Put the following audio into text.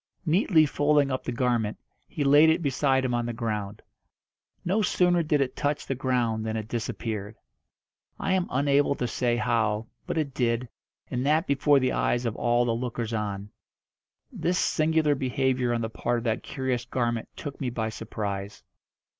Neatly folding up the garment, he laid it beside him on the ground. No sooner did it touch the ground than it disappeared. I am unable to say how, but it did, and that before the eyes of all the lookers on. This singular behaviour on the part of that curious garment took me by surprise.